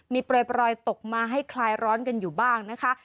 มีปล่อยตกมาให้คลายร้อนกันอยู่บ้างนะคะ